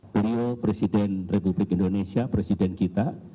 beliau presiden republik indonesia presiden kita